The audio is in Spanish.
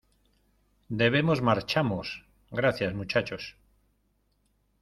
¡ Debemos marchamos! ¡ gracias, muchachos !